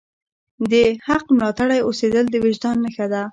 د حق ملاتړی اوسیدل د وجدان نښه ده.